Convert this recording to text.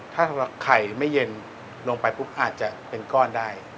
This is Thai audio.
ถ้าไข่ไม่เย็นลงไปปุ๊บอาจจะเป็นก้อนได้